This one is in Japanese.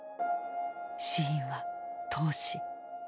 死因は「凍死」。